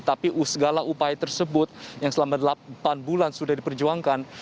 tapi segala upaya tersebut yang selama delapan bulan sudah diperjuangkan